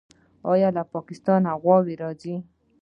آیا له پاکستانه غواګانې راځي؟